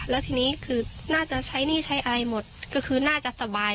แล้วทีนี้คือน่าจะใช้หนี้ใช้อะไรหมดก็คือน่าจะสบาย